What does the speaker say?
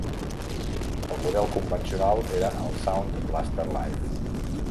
El model convencional era el Sound Blaster Live!